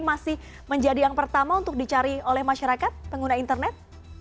masih menjadi yang pertama untuk dicari oleh masyarakat pengguna internet